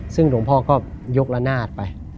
ซึ่งหลวงพ่อก็ยกระนาดไป